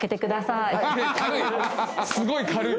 軽いすごい軽い。